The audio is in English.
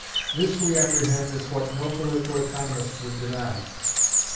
This, we apprehend, is what no political economist would deny.